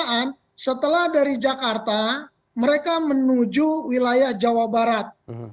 hanya saja berdasarkan pemeriksaan setelah dari jakarta mereka mulai menuju wilayah jawa barat